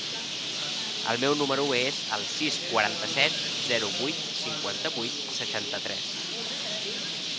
El meu número es el sis, quaranta-set, zero, vuit, cinquanta-vuit, seixanta-tres.